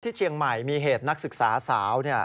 เชียงใหม่มีเหตุนักศึกษาสาว